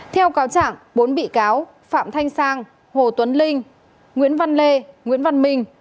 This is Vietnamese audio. theo cáo chẳng bốn bị cáo phạm thanh sang hồ tuấn linh nguyễn văn lê nguyễn văn minh